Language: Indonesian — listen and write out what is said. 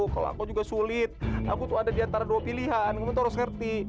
kalau aku juga sulit aku tuh ada di antara dua pilihan kamu tuh harus ngerti